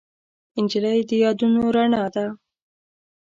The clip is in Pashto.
نجلۍ د یادونو رڼا ده.